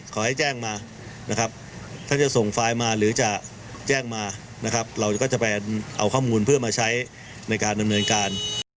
ขอให้แจ้งมานะครับถ้าจะส่งไฟล์มาหรือจะแจ้งมานะครับเราก็จะไปเอาข้อมูลเพื่อมาใช้ในการดำเนินการ